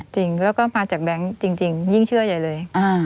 จริงแล้วก็มาจากแบงค์จริงยิ่งเชื่อใหญ่เลย